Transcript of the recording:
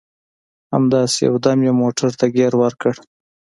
همداسې یو دم یې موټر ته ګیر ورکړ.